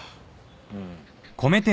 うん。